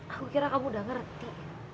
aku kira kamu udah ngerti